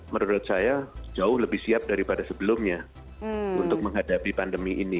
menurut saya jauh lebih siap daripada sebelumnya untuk menghadapi pandemi ini